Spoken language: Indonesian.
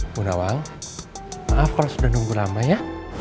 munawal maaf kalau sudah nunggu lama ya